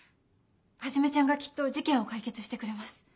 はじめちゃんがきっと事件を解決してくれます。